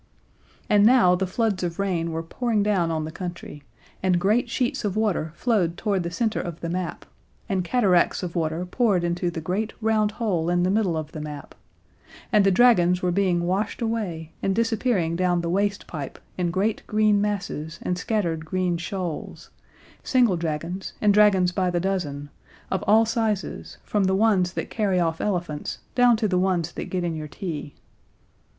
And now the floods of rain were pouring down on the country, and great sheets of water flowed toward the center of the map, and cataracts of water poured into the great round hole in the middle of the map, and the dragons were being washed away and disappearing down the waste pipe in great green masses and scattered green shoals single dragons and dragons by the dozen; of all sizes, from the ones that carry off elephants down to the ones that get in your tea.